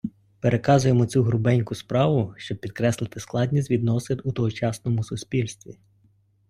Переказуємо цю грубеньку справу, щоб підкреслити складність відносин у тогочасному суспільстві.